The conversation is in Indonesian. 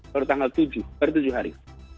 baru tanggal tujuh baru tujuh hari